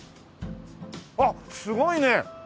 あっすごいね！